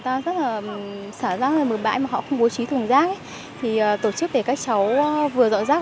ta rất là xả rác là mượn bãi mà họ không bố trí thường rác thì tổ chức để các cháu vừa dọn rác